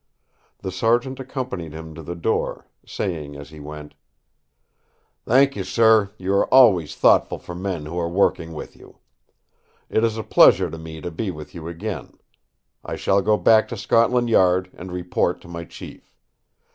The Sergeant accompanied him to the door, saying as he went: "Thank you, sir; you are always thoughtful for men who are working with you. It is a pleasure to me to be with you again. I shall go back to Scotland Yard and report to my chief.